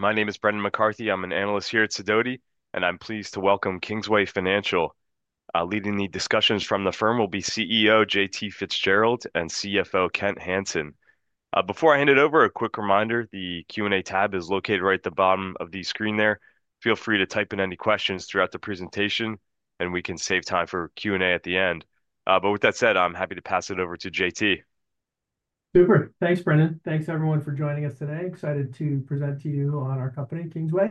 My name is Brendan McCarthy. I'm an analyst here at Sidoti, and I'm pleased to welcome Kingsway Financial. Leading the discussions from the firm will be CEO J.T. Fitzgerald and CFO Kent Hansen. Before I hand it over, a quick reminder: the Q&A tab is located right at the bottom of the screen there. Feel free to type in any questions throughout the presentation, and we can save time for Q&A at the end. But with that said, I'm happy to pass it over to J.T. Super. Thanks, Brendan. Thanks, everyone, for joining us today. Excited to present to you on our company, Kingsway.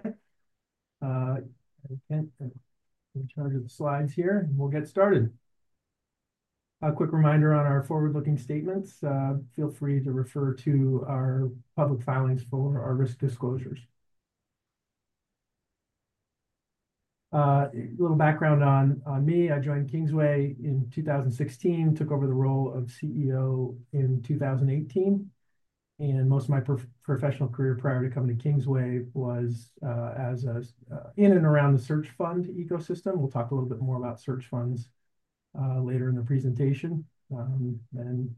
Kent in charge of the slides here, and we'll get started. A quick reminder on our forward-looking statements: feel free to refer to our public filings for our risk disclosures. A little background on me: I joined Kingsway in 2016, took over the role of CEO in 2018, and most of my professional career prior to coming to Kingsway was as a in and around the search fund ecosystem. We'll talk a little bit more about search funds later in the presentation, and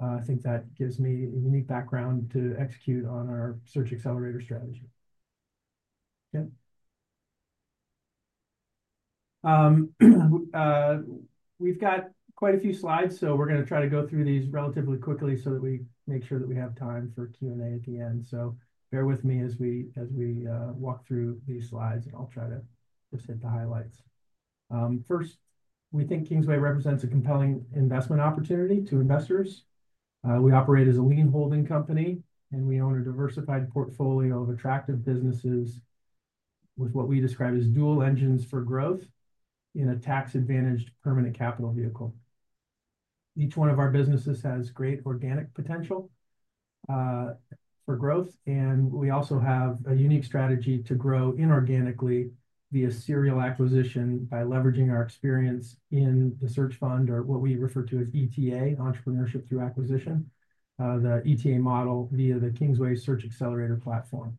I think that gives me a unique background to execute on our search accelerator strategy. Okay. We've got quite a few slides, so we're going to try to go through these relatively quickly so that we make sure that we have time for Q&A at the end. Bear with me as we walk through these slides, and I'll try to just hit the highlights. First, we think Kingsway represents a compelling investment opportunity to investors. We operate as a lean holding company, and we own a diversified portfolio of attractive businesses with what we describe as dual engines for growth in a tax-advantaged permanent capital vehicle. Each one of our businesses has great organic potential for growth, and we also have a unique strategy to grow inorganically via serial acquisition by leveraging our experience in the search fund, or what we refer to as ETA, Entrepreneurship Through Acquisition, the ETA model via the Kingsway Search Accelerator platform.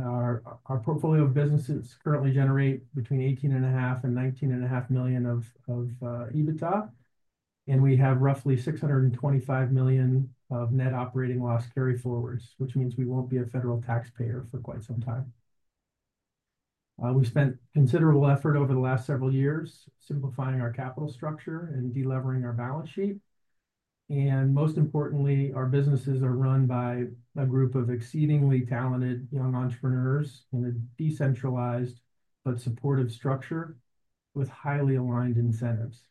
Our portfolio of businesses currently generates between $18.5 and $19.5 million of EBITDA, and we have roughly $625 million of net operating loss carryforwards, which means we won't be a federal taxpayer for quite some time. We've spent considerable effort over the last several years simplifying our capital structure and delevering our balance sheet, and most importantly, our businesses are run by a group of exceedingly talented young entrepreneurs in a decentralized but supportive structure with highly aligned incentives.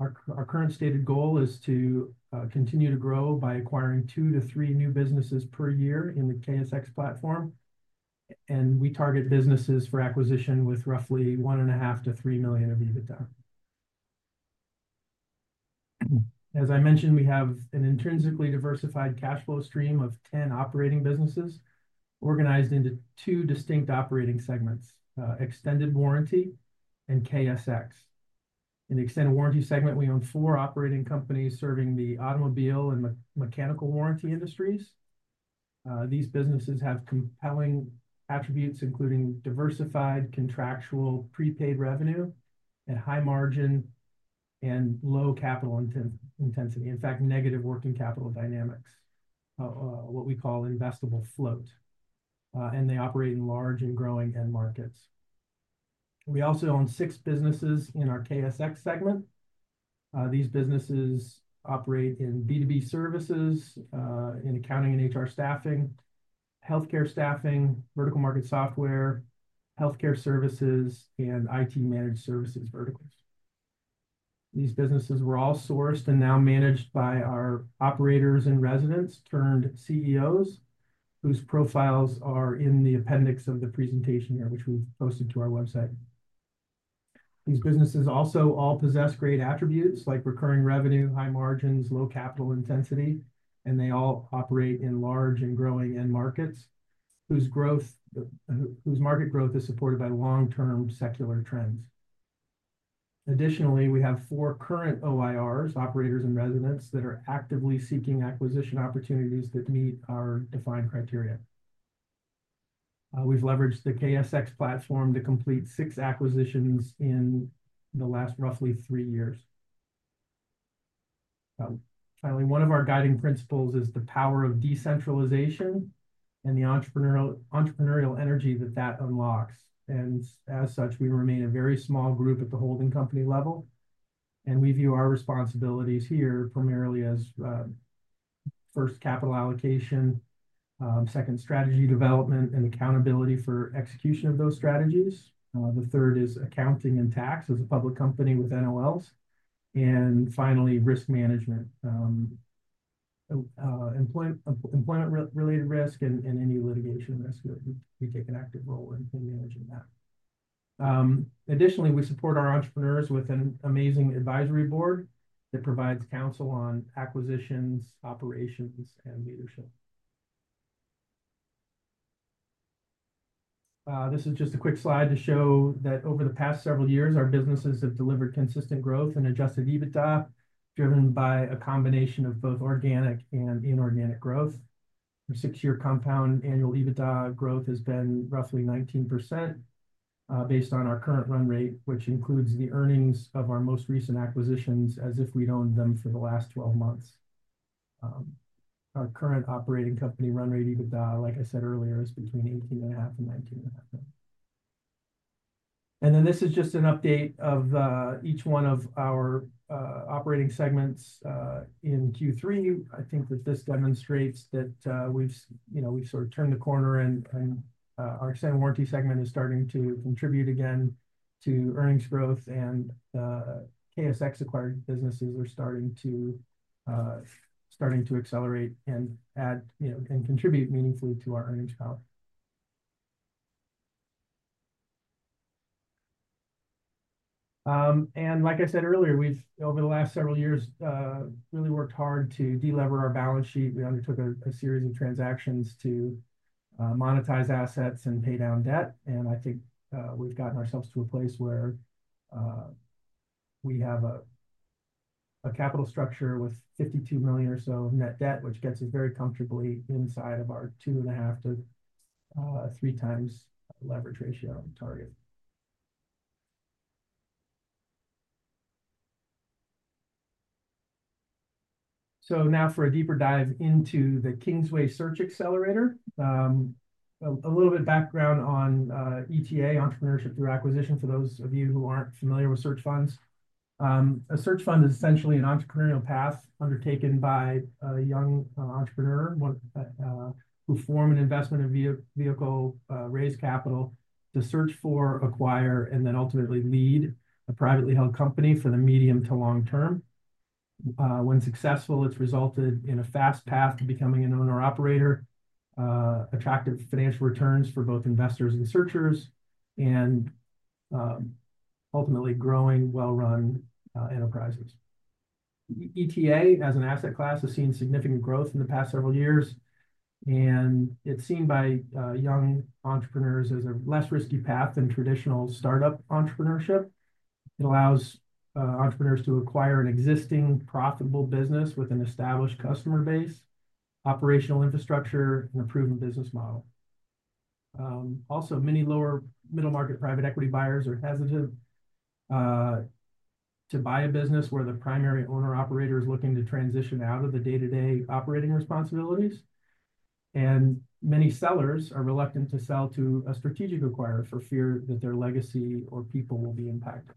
Our current stated goal is to continue to grow by acquiring two to three new businesses per year in the KSX platform, and we target businesses for acquisition with roughly 1.5 million-3 million of EBITDA. As I mentioned, we have an intrinsically diversified cash flow stream of 10 operating businesses organized into two distinct operating segments: extended warranty and KSX. In the extended warranty segment, we own four operating companies serving the automobile and mechanical warranty industries. These businesses have compelling attributes, including diversified contractual prepaid revenue at high margin and low capital intensity. In fact, negative working capital dynamics, what we call investable float, and they operate in large and growing end markets. We also own six businesses in our KSX segment. These businesses operate in B2B services, in accounting and HR staffing, healthcare staffing, vertical market software, healthcare services, and IT managed services verticals. These businesses were all sourced and now managed by our Operators in Residence turned CEOs, whose profiles are in the appendix of the presentation here, which we've posted to our website. These businesses also all possess great attributes like recurring revenue, high margins, low capital intensity, and they all operate in large and growing end markets whose market growth is supported by long-term secular trends. Additionally, we have four current OIRs, Operators in Residence, that are actively seeking acquisition opportunities that meet our defined criteria. We've leveraged the KSX platform to complete six acquisitions in the last roughly three years. Finally, one of our guiding principles is the power of decentralization and the entrepreneurial energy that that unlocks, and as such, we remain a very small group at the holding company level, and we view our responsibilities here primarily as first, capital allocation, second, strategy development and accountability for execution of those strategies. The third is accounting and tax as a public company with NOLs, and finally, risk management, employment-related risk and any litigation risk that we take an active role in managing that. Additionally, we support our entrepreneurs with an amazing advisory board that provides counsel on acquisitions, operations, and leadership. This is just a quick slide to show that over the past several years, our businesses have delivered consistent growth and adjusted EBITDA driven by a combination of both organic and inorganic growth. Our six-year compound annual EBITDA growth has been roughly 19% based on our current run rate, which includes the earnings of our most recent acquisitions as if we'd owned them for the last 12 months. Our current operating company run rate EBITDA, like I said earlier, is between $18.5 and $19.5 million. And then this is just an update of each one of our operating segments in Q3. I think that this demonstrates that we've sort of turned the corner, and our extended warranty segment is starting to contribute again to earnings growth, and the KSX-acquired businesses are starting to accelerate and contribute meaningfully to our earnings power. And like I said earlier, we've, over the last several years, really worked hard to delever our balance sheet. We undertook a series of transactions to monetize assets and pay down debt. And I think we've gotten ourselves to a place where we have a capital structure with $52 million or so of net debt, which gets us very comfortably inside of our 2.5-3 times leverage ratio target. So now for a deeper dive into the Kingsway Search Accelerator, a little bit of background on ETA, Entrepreneurship Through Acquisition, for those of you who aren't familiar with search funds. A search fund is essentially an entrepreneurial path undertaken by a young entrepreneur who forms an investment vehicle, raises capital, searches for, acquires, and then ultimately leads a privately held company for the medium to long term. When successful, it's resulted in a fast path to becoming an owner-operator, attractive financial returns for both investors and searchers, and ultimately growing well-run enterprises. ETA, as an asset class, has seen significant growth in the past several years, and it's seen by young entrepreneurs as a less risky path than traditional startup entrepreneurship. It allows entrepreneurs to acquire an existing profitable business with an established customer base, operational infrastructure, and a proven business model. Also, many lower-middle market private equity buyers are hesitant to buy a business where the primary owner-operator is looking to transition out of the day-to-day operating responsibilities. And many sellers are reluctant to sell to a strategic acquirer for fear that their legacy or people will be impacted.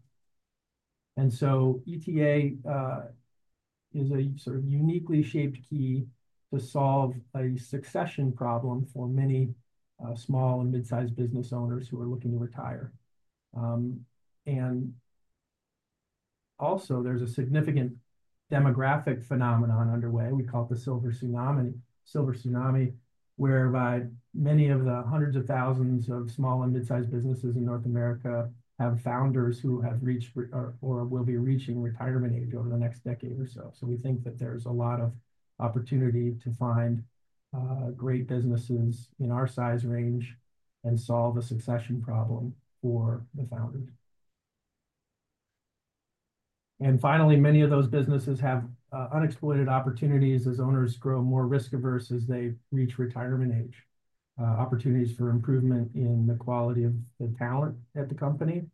And so ETA is a sort of uniquely shaped key to solve a succession problem for many small and mid-sized business owners who are looking to retire. And also, there's a significant demographic phenomenon underway. We call it the Silver Tsunami, where many of the hundreds of thousands of small and mid-sized businesses in North America have founders who have reached or will be reaching retirement age over the next decade or so. So we think that there's a lot of opportunity to find great businesses in our size range and solve a succession problem for the founders. And finally, many of those businesses have unexploited opportunities as owners grow more risk-averse as they reach retirement age. Opportunities for improvement in the quality of the talent at the company,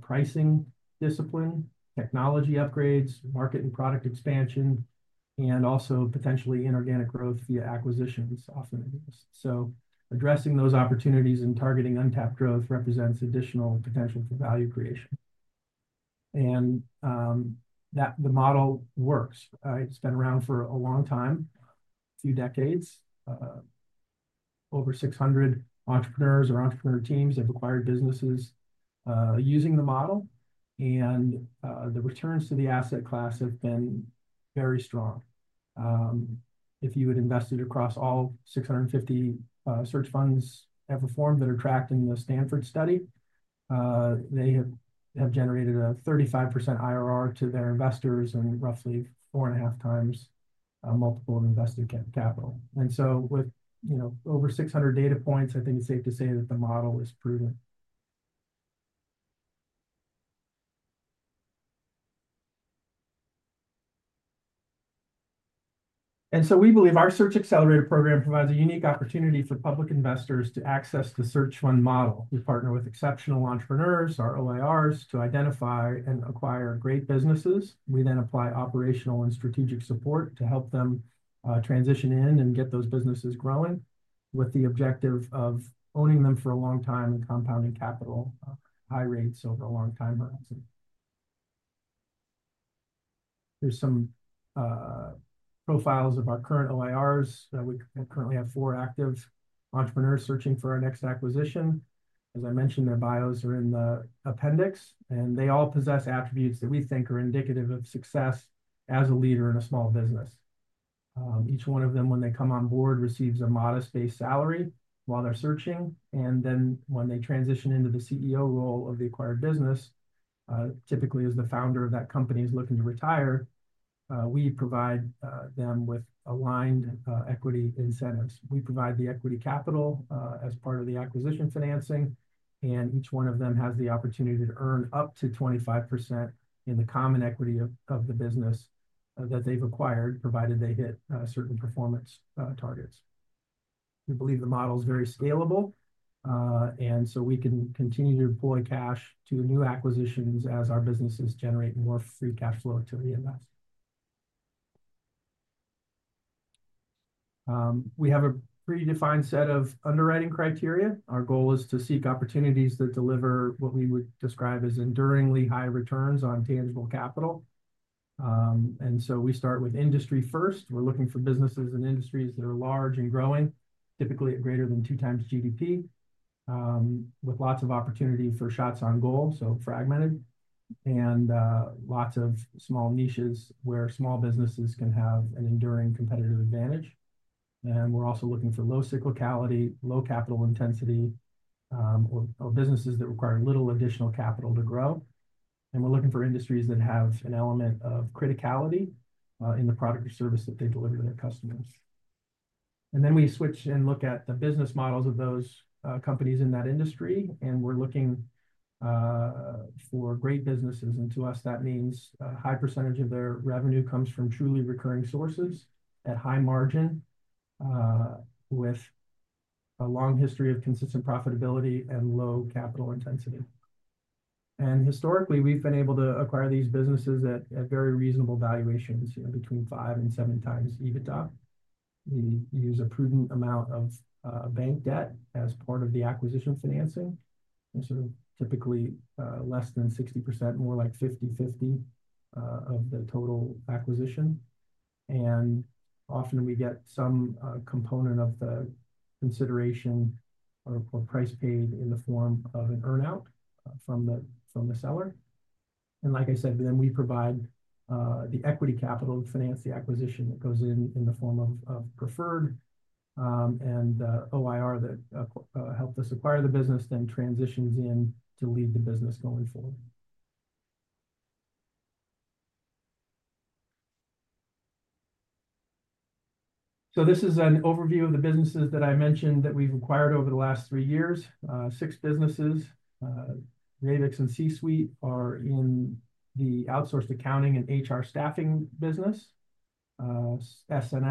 pricing discipline, technology upgrades, market and product expansion, and also potentially inorganic growth via acquisitions often exist. So addressing those opportunities and targeting untapped growth represents additional potential for value creation. And the model works. It's been around for a long time, a few decades. Over 600 entrepreneurs or entrepreneur teams have acquired businesses using the model, and the returns to the asset class have been very strong. If you had invested across all 650 search funds ever formed that are tracked in the Stanford study, they have generated a 35% IRR to their investors and roughly four and a half times multiple invested capital. And so with over 600 data points, I think it's safe to say that the model is proven. And so we believe our Search Accelerator program provides a unique opportunity for public investors to access the search fund model. We partner with exceptional entrepreneurs, our OIRs, to identify and acquire great businesses. We then apply operational and strategic support to help them transition in and get those businesses growing with the objective of owning them for a long time and compounding capital at high rates over a long time horizon. There's some profiles of our current OIRs. We currently have four active entrepreneurs searching for our next acquisition. As I mentioned, their bios are in the appendix, and they all possess attributes that we think are indicative of success as a leader in a small business. Each one of them, when they come on board, receives a modest-based salary while they're searching, and then when they transition into the CEO role of the acquired business, typically as the founder of that company is looking to retire, we provide them with aligned equity incentives. We provide the equity capital as part of the acquisition financing, and each one of them has the opportunity to earn up to 25% in the common equity of the business that they've acquired, provided they hit certain performance targets. We believe the model is very scalable, and so we can continue to deploy cash to new acquisitions as our businesses generate more free cash flow to reinvest. We have a predefined set of underwriting criteria. Our goal is to seek opportunities that deliver what we would describe as enduringly high returns on tangible capital, and so we start with industry first. We're looking for businesses and industries that are large and growing, typically at greater than two times GDP, with lots of opportunity for shots on goal, so fragmented, and lots of small niches where small businesses can have an enduring competitive advantage, and we're also looking for low cyclicality, low capital intensity, or businesses that require little additional capital to grow, and we're looking for industries that have an element of criticality in the product or service that they deliver to their customers. And then we switch and look at the business models of those companies in that industry, and we're looking for great businesses. And to us, that means a high percentage of their revenue comes from truly recurring sources at high margin with a long history of consistent profitability and low capital intensity. And historically, we've been able to acquire these businesses at very reasonable valuations, between five and seven times EBITDA. We use a prudent amount of bank debt as part of the acquisition financing, sort of typically less than 60%, more like 50/50 of the total acquisition. And often we get some component of the consideration or price paid in the form of an earnout from the seller. Like I said, then we provide the equity capital to finance the acquisition that goes in the form of preferred, and the OIR that helped us acquire the business then transitions in to lead the business going forward. This is an overview of the businesses that I mentioned that we've acquired over the last three years. Six businesses, Ravix and C-Suite, are in the outsourced accounting and HR staffing business.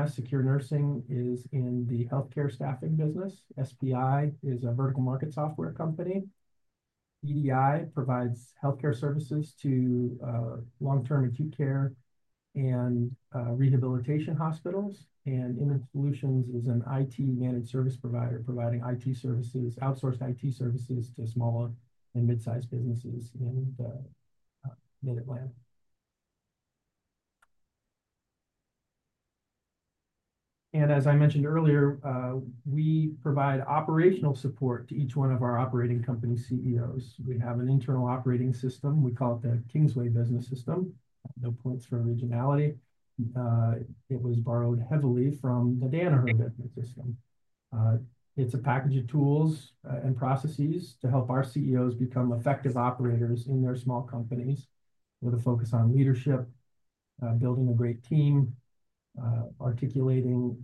Secure Nursing Service is in the healthcare staffing business. SPI is a vertical market software company. DDI provides healthcare services to long-term acute care and rehabilitation hospitals. Image Solutions is an IT managed service provider providing IT services, outsourced IT services to small and mid-sized businesses in Mid-Atlantic. As I mentioned earlier, we provide operational support to each one of our operating company CEOs. We have an internal operating system. We call it the Kingsway Business System. No points for originality. It was borrowed heavily from the Danaher Business System. It's a package of tools and processes to help our CEOs become effective operators in their small companies with a focus on leadership, building a great team, articulating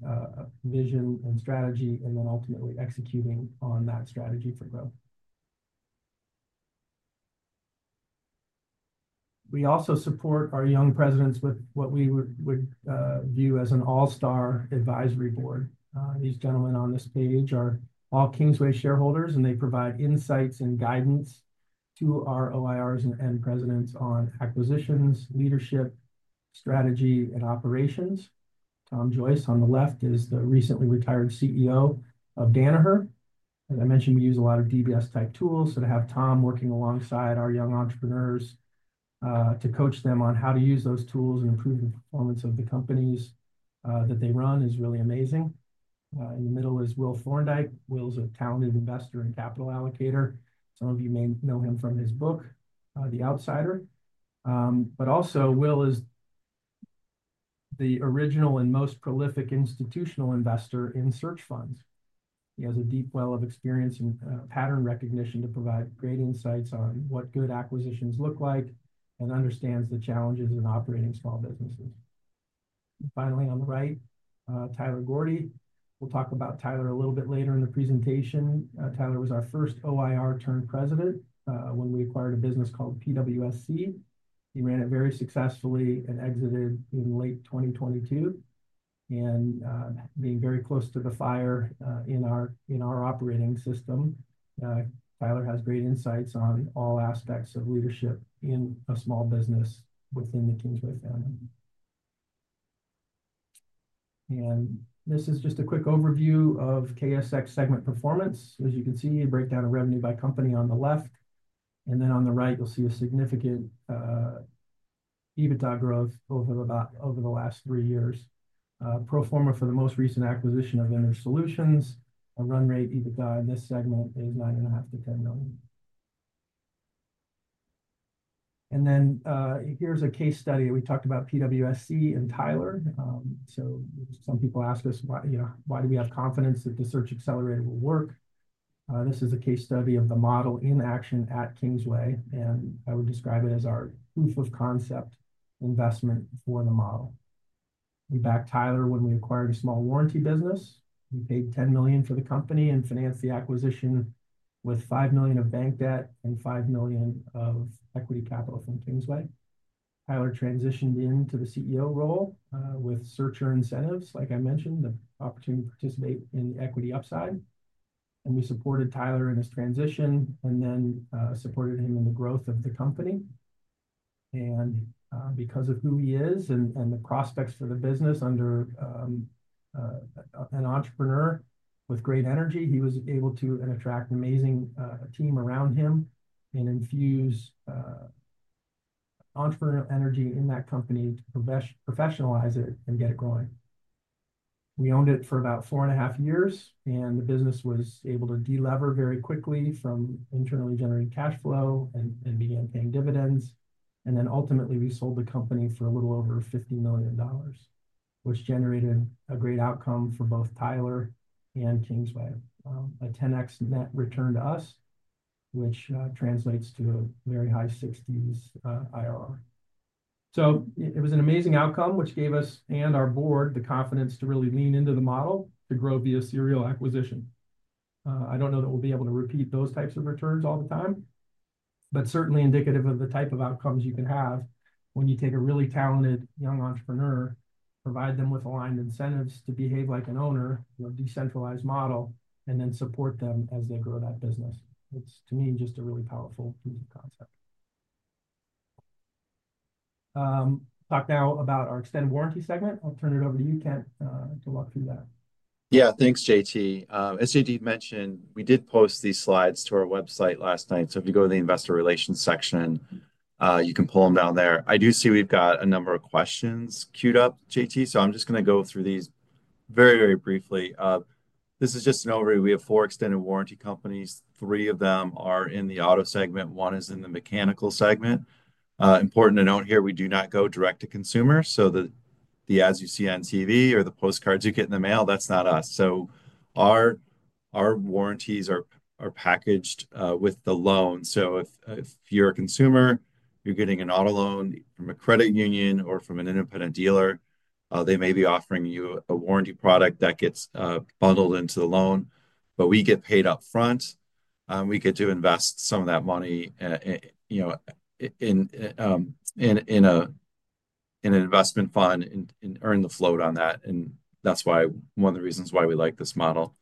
vision and strategy, and then ultimately executing on that strategy for growth. We also support our young presidents with what we would view as an all-star advisory board. These gentlemen on this page are all Kingsway shareholders, and they provide insights and guidance to our OIRs and presidents on acquisitions, leadership, strategy, and operations. Tom Joyce on the left is the recently retired CEO of Danaher. As I mentioned, we use a lot of DBS-type tools. So to have Tom working alongside our young entrepreneurs to coach them on how to use those tools and improve the performance of the companies that they run is really amazing. In the middle is Will Thorndike. Will's a talented investor and capital allocator. Some of you may know him from his book, The Outsider. But also, Will is the original and most prolific institutional investor in search funds. He has a deep well of experience in pattern recognition to provide great insights on what good acquisitions look like and understands the challenges in operating small businesses. Finally, on the right, Tyler Gordy. We'll talk about Tyler a little bit later in the presentation. Tyler was our first OIR-turned-president when we acquired a business called PWSC. He ran it very successfully and exited in late 2022. Being very close to the fire in our operating system, Tyler has great insights on all aspects of leadership in a small business within the Kingsway family. This is just a quick overview of KSX segment performance. As you can see, a breakdown of revenue by company on the left. Then on the right, you'll see a significant EBITDA growth over the last three years. Pro forma for the most recent acquisition of Image Solutions. A run rate EBITDA in this segment is $9.5 million-$10 million. Then here's a case study. We talked about PWSC and Tyler. Some people ask us, "Why do we have confidence that the Search Accelerator will work?" This is a case study of the model in action at Kingsway, and I would describe it as our proof of concept investment for the model. We backed Tyler when we acquired a small warranty business. We paid $10 million for the company and financed the acquisition with $5 million of bank debt and $5 million of equity capital from Kingsway. Tyler transitioned into the CEO role with searcher incentives, like I mentioned, the opportunity to participate in the equity upside, and we supported Tyler in his transition and then supported him in the growth of the company, and because of who he is and the prospects for the business under an entrepreneur with great energy, he was able to attract an amazing team around him and infuse entrepreneurial energy in that company to professionalize it and get it growing. We owned it for about four and a half years, and the business was able to delever very quickly from internally generating cash flow and began paying dividends. And then ultimately, we sold the company for a little over $50 million, which generated a great outcome for both Tyler and Kingsway. A 10x net return to us, which translates to a very high 60s IRR. So it was an amazing outcome, which gave us and our board the confidence to really lean into the model to grow via serial acquisition. I don't know that we'll be able to repeat those types of returns all the time, but certainly indicative of the type of outcomes you can have when you take a really talented young entrepreneur, provide them with aligned incentives to behave like an owner of a decentralized model, and then support them as they grow that business. It's, to me, just a really powerful proof of concept. Talk now about our extended warranty segment. I'll turn it over to you, Kent, to walk through that. Yeah, thanks, JT. As JT mentioned, we did post these slides to our website last night. So if you go to the investor relations section, you can pull them down there. I do see we've got a number of questions queued up, JT. So I'm just going to go through these very, very briefly. This is just an overview. We have four extended warranty companies. Three of them are in the auto segment. One is in the mechanical segment. Important to note here, we do not go direct to consumers. So the ads you see on TV or the postcards you get in the mail, that's not us. So our warranties are packaged with the loan. So if you're a consumer, you're getting an auto loan from a credit union or from an independent dealer. They may be offering you a warranty product that gets bundled into the loan. But we get paid upfront. We get to invest some of that money in an investment fund and earn the float on that. And that's one of the reasons why we like this model.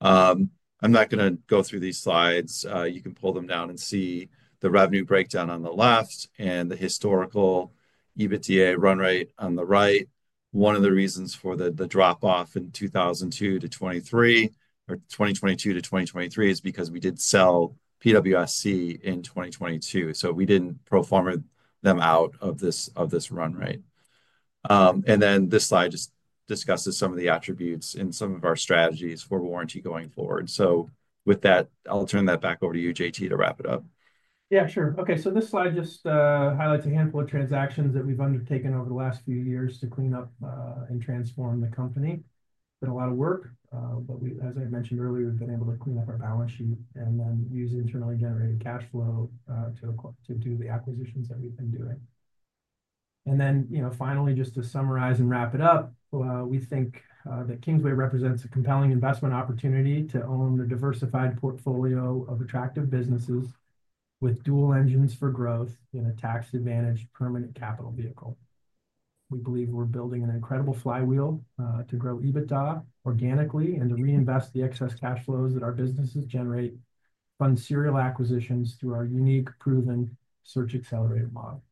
I'm not going to go through these slides. You can pull them down and see the revenue breakdown on the left and the historical EBITDA run rate on the right. One of the reasons for the drop-off in 2022 to 2023 is because we did sell PWSC in 2022. So we didn't pro forma them out of this run rate. And then this slide just discusses some of the attributes and some of our strategies for warranty going forward. So with that, I'll turn that back over to you, JT, to wrap it up. Yeah, sure. Okay. This slide just highlights a handful of transactions that we've undertaken over the last few years to clean up and transform the company. It's been a lot of work, but as I mentioned earlier, we've been able to clean up our balance sheet and then use internally generated cash flow to do the acquisitions that we've been doing, and then finally, just to summarize and wrap it up, we think that Kingsway represents a compelling investment opportunity to own a diversified portfolio of attractive businesses with dual engines for growth in a tax-advantaged permanent capital vehicle. We believe we're building an incredible flywheel to grow EBITDA organically and to reinvest the excess cash flows that our businesses generate from serial acquisitions through our unique proven Search Accelerator model.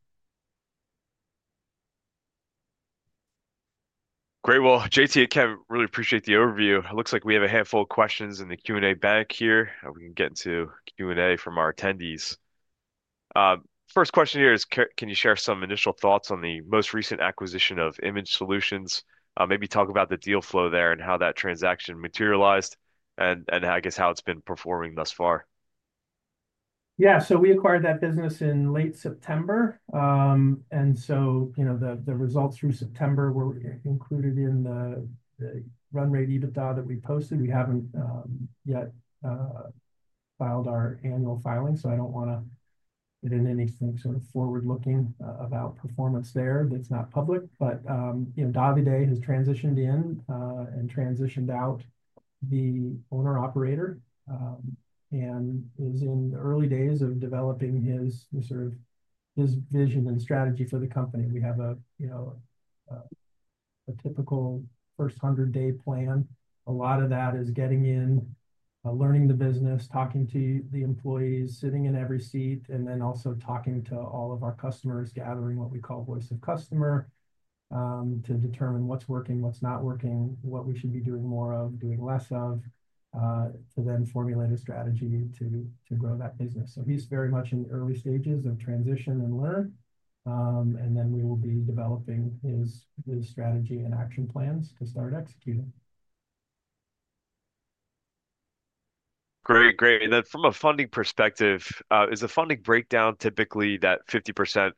Great. J.T. and Kent, really appreciate the overview. It looks like we have a handful of questions in the Q&A bank here. We can get into Q&A from our attendees. First question here is, can you share some initial thoughts on the most recent acquisition of Image Solutions? Maybe talk about the deal flow there and how that transaction materialized and I guess how it's been performing thus far. Yeah. So we acquired that business in late September. And so the results through September were included in the run rate EBITDA that we posted. We haven't yet filed our annual filing, so I don't want to get into anything sort of forward-looking about performance there that's not public. But Davide has transitioned in and transitioned out the owner-operator and is in the early days of developing his vision and strategy for the company. We have a typical first 100-day plan. A lot of that is getting in, learning the business, talking to the employees, sitting in every seat, and then also talking to all of our customers, gathering what we call voice of customer to determine what's working, what's not working, what we should be doing more of, doing less of, to then formulate a strategy to grow that business. So he's very much in the early stages of transition and learn, and then we will be developing his strategy and action plans to start executing. Great. Great. From a funding perspective, is the funding breakdown typically that 50%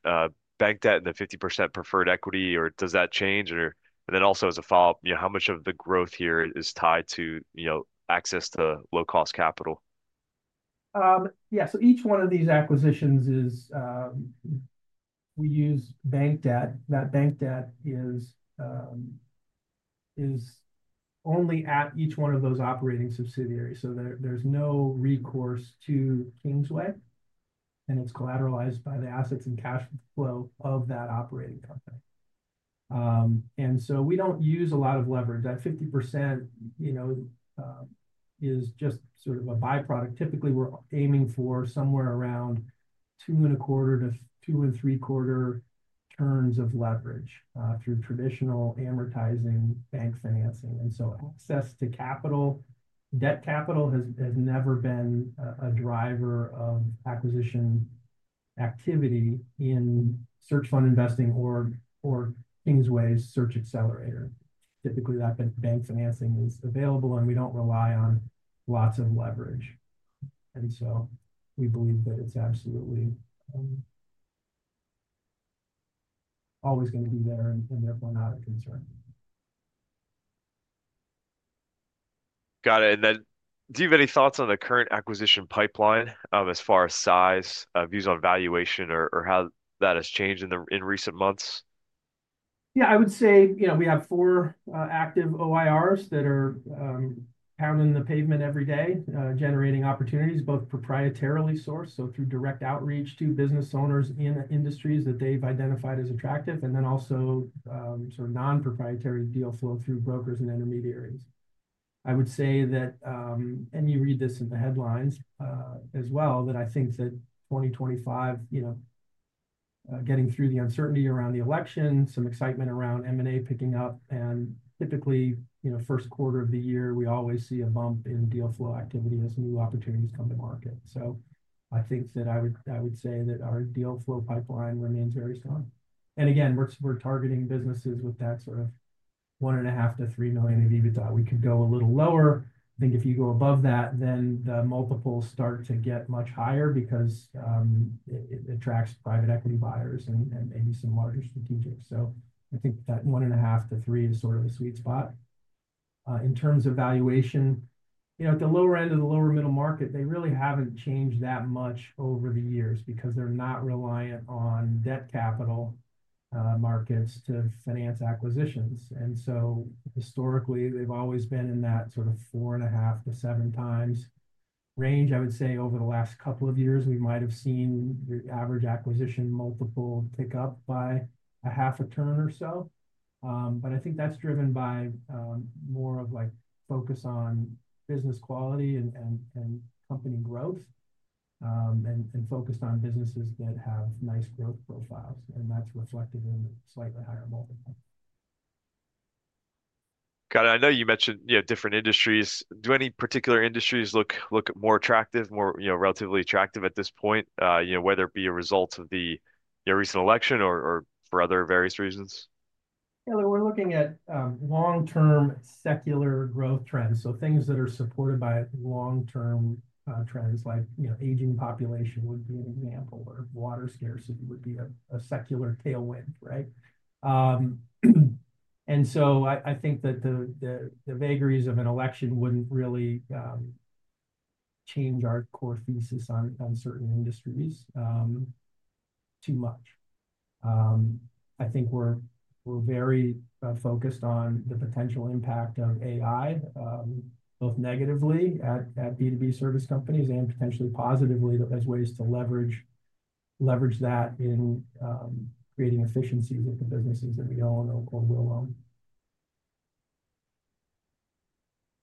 bank debt and the 50% preferred equity, or does that change? And then also as a follow-up, how much of the growth here is tied to access to low-cost capital? Yeah. So each one of these acquisitions is we use bank debt. That bank debt is only at each one of those operating subsidiaries. So there's no recourse to Kingsway, and it's collateralized by the assets and cash flow of that operating company. And so we don't use a lot of leverage. That 50% is just sort of a byproduct. Typically, we're aiming for somewhere around two and a quarter to two and three-quarter turns of leverage through traditional amortizing bank financing. And so access to capital, debt capital has never been a driver of acquisition activity in Search Fund Investing or Kingsway's Search Accelerator. Typically, that bank financing is available, and we don't rely on lots of leverage. And so we believe that it's absolutely always going to be there and therefore not a concern. Got it. And then do you have any thoughts on the current acquisition pipeline as far as size, views on valuation, or how that has changed in recent months? Yeah. I would say we have four active OIRs that are pounding the pavement every day, generating opportunities, both proprietarily sourced, so through direct outreach to business owners in industries that they've identified as attractive, and then also sort of non-proprietary deal flow through brokers and intermediaries. I would say that, and you read this in the headlines as well, that I think that 2025, getting through the uncertainty around the election, some excitement around M&A picking up, and typically, first quarter of the year, we always see a bump in deal flow activity as new opportunities come to market. So I think that I would say that our deal flow pipeline remains very strong. And again, we're targeting businesses with that sort of $1.5 million-$3 million of EBITDA. We could go a little lower. I think if you go above that, then the multiples start to get much higher because it attracts private equity buyers and maybe some larger strategics. So I think that $1.5-$3 is sort of the sweet spot. In terms of valuation, at the lower end of the lower middle market, they really haven't changed that much over the years because they're not reliant on debt capital markets to finance acquisitions. And so historically, they've always been in that sort of 4.5-7 times range. I would say over the last couple of years, we might have seen the average acquisition multiple pick up by half a turn or so. But I think that's driven by more of focus on business quality and company growth and focused on businesses that have nice growth profiles. And that's reflected in the slightly higher multiple. Got it. I know you mentioned different industries. Do any particular industries look more attractive, more relatively attractive at this point, whether it be a result of the recent election or for other various reasons? Yeah. We're looking at long-term secular growth trends. So things that are supported by long-term trends, like aging population would be an example, or water scarcity would be a secular tailwind, right? And so I think that the vagaries of an election wouldn't really change our core thesis on certain industries too much. I think we're very focused on the potential impact of AI, both negatively at B2B service companies and potentially positively as ways to leverage that in creating efficiencies at the businesses that we own or will own.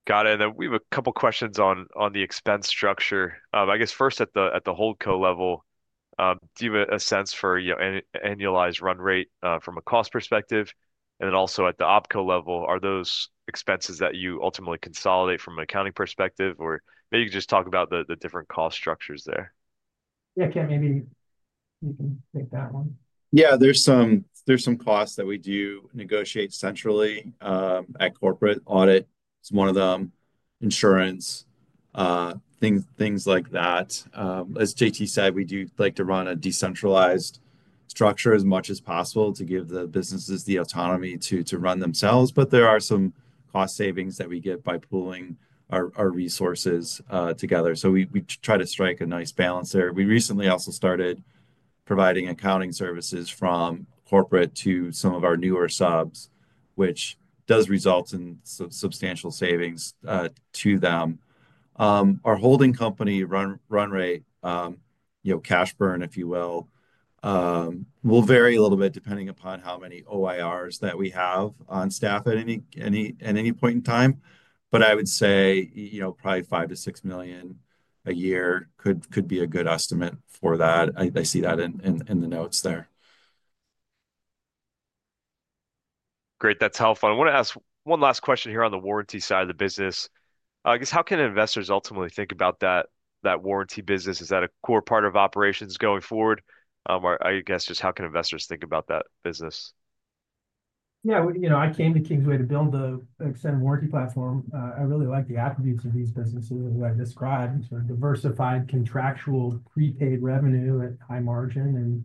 Got it. And then we have a couple of questions on the expense structure. I guess first at the Holdco level, do you have a sense for annualized run rate from a cost perspective? And then also at the opco level, are those expenses that you ultimately consolidate from an accounting perspective? Or maybe you could just talk about the different cost structures there. Yeah, Kent, maybe you can take that one. Yeah. There's some costs that we do negotiate centrally at corporate audit. It's one of them. Insurance, things like that. As JT said, we do like to run a decentralized structure as much as possible to give the businesses the autonomy to run themselves. But there are some cost savings that we get by pooling our resources together. So we try to strike a nice balance there. We recently also started providing accounting services from corporate to some of our newer subs, which does result in substantial savings to them. Our holding company run rate, cash burn, if you will, will vary a little bit depending upon how many OIRs that we have on staff at any point in time. But I would say probably $5 million-$6 million a year could be a good estimate for that. I see that in the notes there. Great. That's helpful. I want to ask one last question here on the warranty side of the business. I guess how can investors ultimately think about that warranty business? Is that a core part of operations going forward? Or I guess just how can investors think about that business? Yeah. I came to Kingsway to build the extended warranty platform. I really like the attributes of these businesses that I described. Sort of diversified contractual prepaid revenue at high margin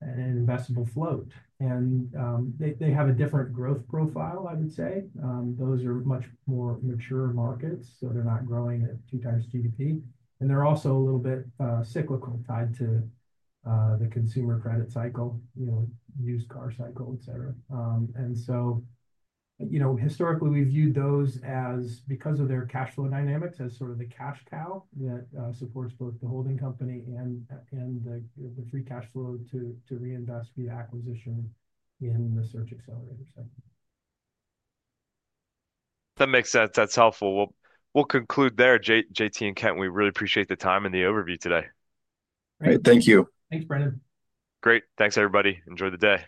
and investable float. And they have a different growth profile, I would say. Those are much more mature markets, so they're not growing at two times GDP. And they're also a little bit cyclical tied to the consumer credit cycle, used car cycle, etc. And so historically, we've viewed those as, because of their cash flow dynamics, as sort of the cash cow that supports both the holding company and the free cash flow to reinvest via acquisition in the Search Accelerator cycle. That makes sense. That's helpful. We'll conclude there, JT and Kent. We really appreciate the time and the overview today. All right. Thank you. Great. Thanks, everybody. Enjoy the day.